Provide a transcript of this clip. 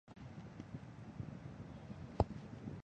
自我挫败人格障碍可出现在多种情形中。